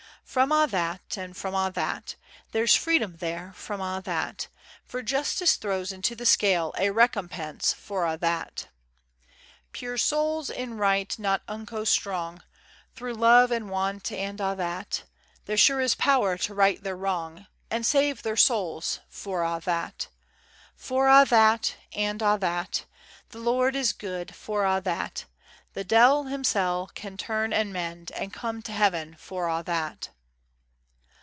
From a' that and a' that. There's freedom there from a' that, For Justice throws into the scale A recompense for a' that. Puir souls, in right not unco strong, Through love and want and a' that, There sure is power to right their wrong, And save their souls, for a' that For a' that, and a' that. The Lord is guid for a' that; The de'il himsel' can turn and mend, And come to Heaven for a' that.